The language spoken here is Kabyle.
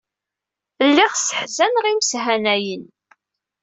Lliɣ sseḥzaneɣ imeshanayen.